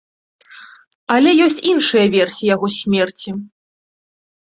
Але ёсць іншыя версіі яго смерці.